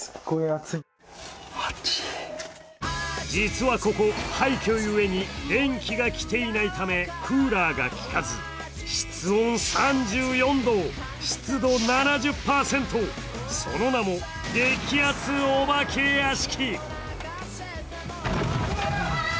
実はここ、廃虚ゆえに電気がきていないためクーラーがきかず室温３４度、湿度７０％、その名も激アツお化け屋敷。